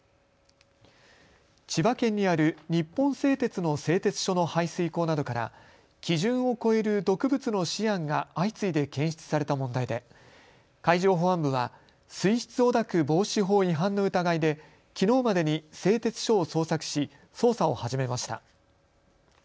千葉県にある日本製鉄の製鉄所の排水口などから基準を超える毒物のシアンが相次いで検出された問題で海上保安部は水質汚濁防止法違反の疑いできのうまでに製鉄所を捜索し、捜査を始めました。